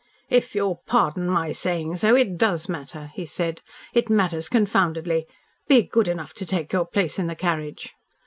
"If you'll pardon my saying so, it does matter," he said. "It matters confoundedly. Be good enough to take your place in the carriage."